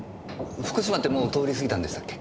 福島ってもう通り過ぎたんでしたっけ？